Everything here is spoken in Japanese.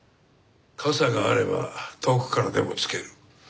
傘があれば遠くからでも突ける。